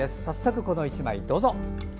早速、こちらの１枚どうぞ。